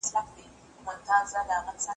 هم یې توري هم یې غشي جوړوله .